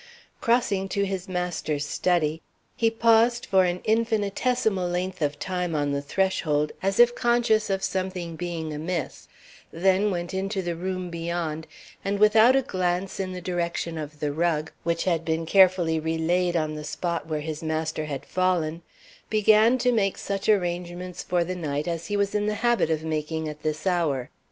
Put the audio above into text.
Crossing to his master's study, he paused for an infinitesimal length of time on the threshold, as if conscious of something being amiss, then went into the room beyond, and, without a glance in the direction of the rug, which had been carefully relaid on the spot where his master had fallen, began to make such arrangements for the night as he was in the habit of making at this hour.